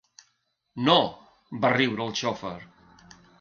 No —va riure el xofer—.